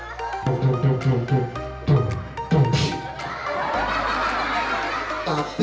tentu teman teman begitu menghibur